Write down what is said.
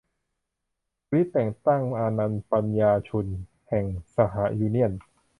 กรี๊ด แต่งตั้ง อานันน์ ปันยารชุน แห่งสหยูเนี่ยน